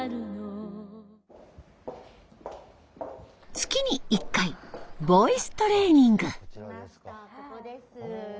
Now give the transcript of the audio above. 月に１回ボイストレーニング。